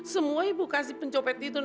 semua ibu kasih pencopet itu